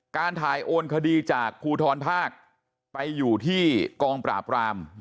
การถ่ายโอนคดีจากภูทรภาคไปอยู่ที่กองปราบราม